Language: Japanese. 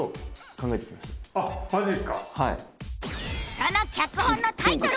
その脚本のタイトルは？